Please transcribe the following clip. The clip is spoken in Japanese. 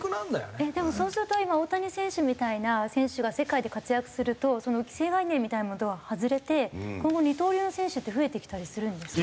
でもそうすると今大谷選手みたいな選手が世界で活躍すると既成概念みたいなものは外れて今後二刀流の選手って増えてきたりするんですか？